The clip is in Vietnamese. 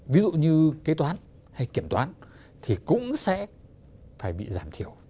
ví dụ như kế toán hay kiểm toán thì cũng sẽ phải bị giảm thiểu